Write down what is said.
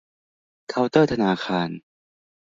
เคาน์เตอร์ธนาคาร